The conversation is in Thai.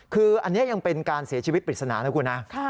คืออันนี้ยังเป็นการเสียชีวิตปริศนานะคุณนะ